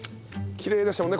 きれいでしたね。